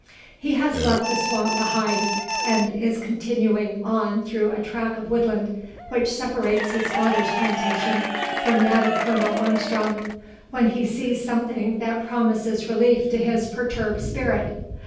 He has left the swamp behind, and is continuing on through a tract of woodland, which separates his father's plantation from that of Colonel Armstrong, when he sees something that promises relief to his perturbed spirit.